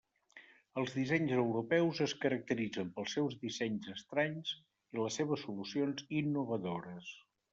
Els dissenys europeus es caracteritzen pels seus dissenys estranys i les seves solucions innovadores.